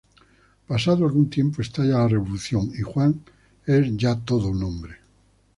Pasado algún tiempo estalla la Revolución y Juan es ya todo un hombre.